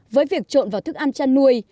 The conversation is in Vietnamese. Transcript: với việc trộn vào thức ăn chăn nuôi